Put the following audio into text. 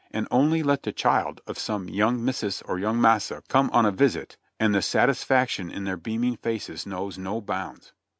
And only let the child of some "young missus" or "young massa" come on a visit, and the satisfaction in their beaming faces knows no bounds.